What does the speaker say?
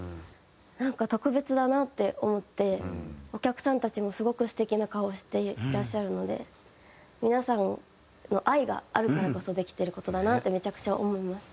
なんか特別だなって思ってお客さんたちもすごく素敵な顔をしていらっしゃるので皆さんの愛があるからこそできてる事だなってめちゃくちゃ思います。